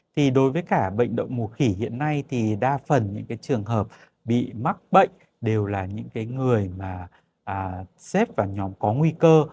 thì đối với cả bệnh động mùa khỉ hiện nay thì đa phần những cái trường hợp bị mắc bệnh đều là những cái người mà xếp vào nhóm có nguy cơ